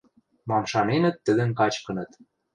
Мам шаненӹт, тӹдӹм качкыныт.